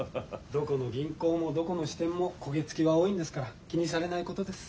どこの銀行もどこの支店も焦げ付きは多いんですから気にされないことです。